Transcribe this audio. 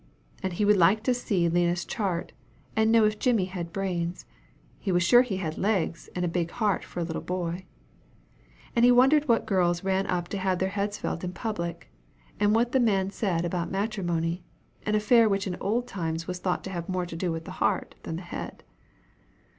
And how he would like to see Lina's chart, and to know if Jimmy had brains he was sure he had legs, and a big heart for a little boy; and he wondered what girls ran up to have their heads felt of in public; and what the man said about matrimony an affair which in old times was thought to have more to do with the heart than the head.